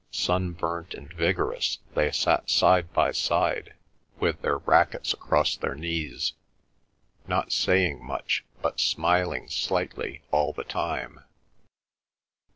Sunburnt and vigorous they sat side by side, with their racquets across their knees, not saying much but smiling slightly all the time.